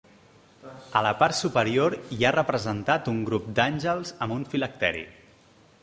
A la part superior hi ha representat un grup d'àngels amb un Filacteri.